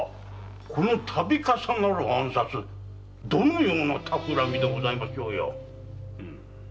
この度重なる暗殺どのような企みでございましょうや。